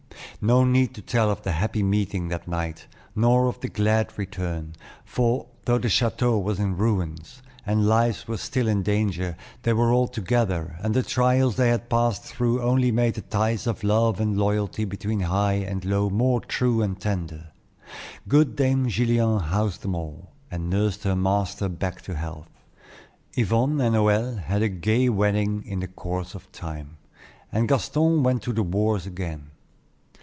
No need to tell of the happy meeting that night, nor of the glad return; for, though the chateau was in ruins and lives were still in danger, they all were together, and the trials they had passed through only made the ties of love and loyalty between high and low more true and tender. Good Dame Gillian housed them all, and nursed her master back to health. Yvonne and Hoël had a gay wedding in the course of time, and Gaston went to the wars again.